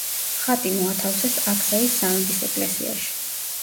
ხატი მოათავსეს აქსაის სამების ეკლესიაში.